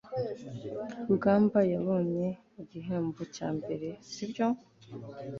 rugamba yabonye igihembo cya mbere, sibyo